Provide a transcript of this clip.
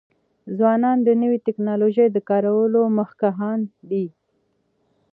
ځوانان د نوې ټکنالوژۍ د کارولو مخکښان دي.